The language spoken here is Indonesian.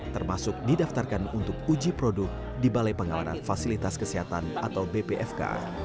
termasuk didaftarkan untuk uji produk di balai pengawanan fasilitas kesehatan atau bpfk